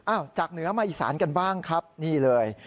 จากเหนือมาอีสานกันบ้างครับนี่เลย